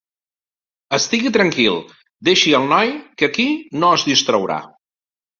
Estigui tranquil, deixi el noi, que aquí no es distraurà.